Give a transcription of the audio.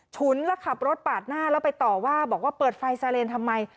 ฉุนแล้วขับรถปาดหน้าแล้วไปต่อว่าบอกว่าเปิดไฟซาเลนทำไม